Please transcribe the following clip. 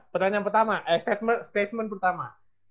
petanya pertama statement pertama